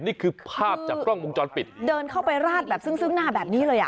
นี่คือภาพจากกล้องวงจรปิดเดินเข้าไปราดแบบซึ่งซึ่งหน้าแบบนี้เลยอ่ะ